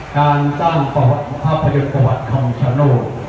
การสร้างภาพพยุคภาคของชนูก